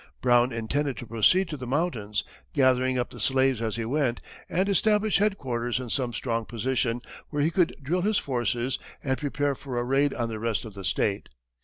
Brown intended to proceed to the mountains, gathering up the slaves as he went, and establish headquarters in some strong position, where he could drill his forces and prepare for a raid on the rest of the state.